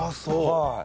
はい。